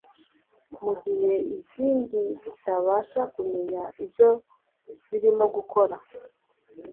mu gihe izindi zitabasha kumenya ibyo zirimo gukora